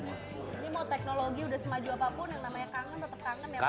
ini mau teknologi udah semaju apapun yang namanya kangen tetap kangen ya pak